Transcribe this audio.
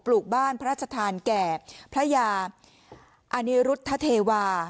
ลูกบ้านพระราชทานแก่พระยาอนิรุธเทวา